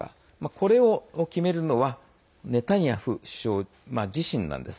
これを決めるのはネタニヤフ首相自身なんです。